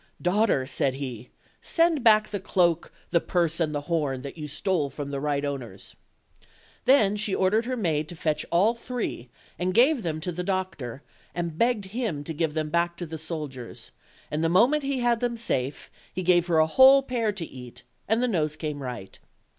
"Daughter," said he, "send back the cloak, the purse, and the horn, that you stole from the right owners." Then she ordered her maid to fetch all three, and gave them to the doctor, and begged him to give them back to 64 OLD, OLD FAHtr TALES. the soldiers; and the moment he had them safe he gave her a whole pear to eat, and the nose came right.